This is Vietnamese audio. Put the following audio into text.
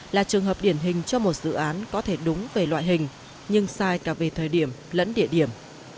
là trường hợp điển hình cho một dự án có thể đúng về loại hình nhưng sai cả về thời điểm lẫn địa điểm